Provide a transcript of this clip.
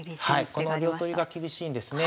この両取りが厳しいんですね。